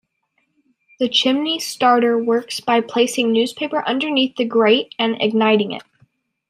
The chimney starter works by placing newspaper underneath the grate and igniting it.